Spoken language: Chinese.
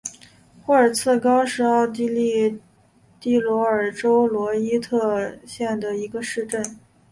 霍尔茨高是奥地利蒂罗尔州罗伊特县的一个市镇。